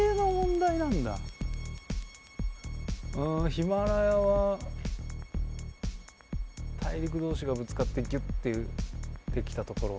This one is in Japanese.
ヒマラヤは大陸同士がぶつかってギュッてできた所。